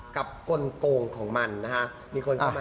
กับกลงของมันนะครับ